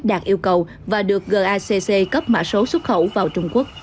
đạt yêu cầu và được gacc cấp mã số xuất khẩu vào trung quốc